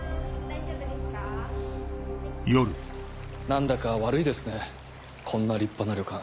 何だか悪いですねこんな立派な旅館。